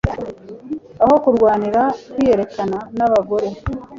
aho kurwanira kwiyerekana nabagore